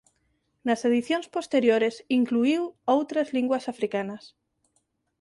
Nas edicións posteriores incluíu outras linguas africanas.